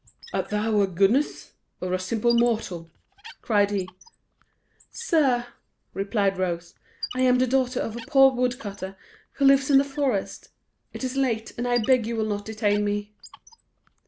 "Art thou a goddess, or a simple mortal?" cried he. "Sir," replied Rose, "I am the daughter of a poor woodcutter, who lives in the forest; it is late, and I beg you will not detain me."